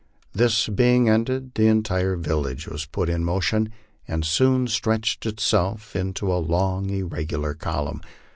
This being ended, the entire village was put in motion, and soon stretched itself into a long, irregular column.